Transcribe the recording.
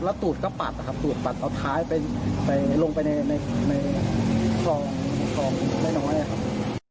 แล้วตูดก็ปัดนะครับตูดปัดเอาท้ายไปลงไปในคลองในคลองน้อยครับ